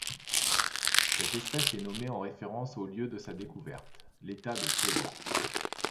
Cette espèce est nommée en référence au lieu de sa découverte, l'État de Puebla.